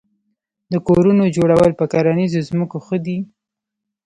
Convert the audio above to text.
د کورونو جوړول په کرنیزه ځمکه ښه دي؟